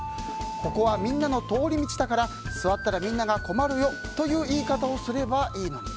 ここはみんなの通り道だから座ったらみんなが困るよという言い方をすればいいのに。